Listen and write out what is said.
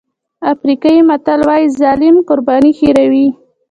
افریقایي متل وایي ظالم قرباني هېروي.